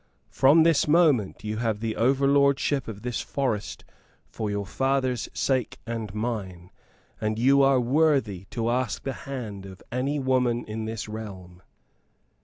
From this moment you have the overlordship of this forest for your father's sake and mine, and you are worthy to ask the hand of any woman in this realm."